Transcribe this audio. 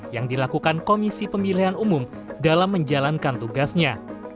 yang dilakukan komisi pemilihan umum dalam menjalankan tugasnya